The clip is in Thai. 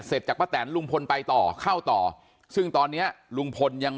จากป้าแตนลุงพลไปต่อเข้าต่อซึ่งตอนเนี้ยลุงพลยัง